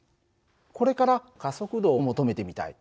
これから加速度を求めてみたい。